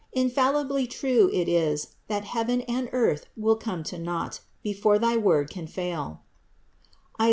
Infallibly true it is, that heaven and earth will come to naught, before thy word can fail (Is.